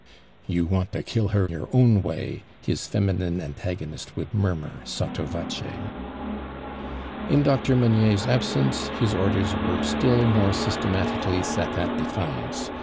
"You want to kill her your own way!'" his feminine antagonist would murmur *o//o voct. In Dr. Moiuiiers absence his orders were !^tlll more systematically set at defiance.